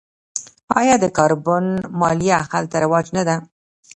آیا د کاربن مالیه هلته رواج نه ده؟